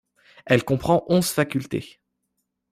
Elle comprend onze facultés.